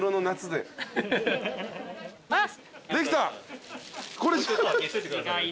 できた。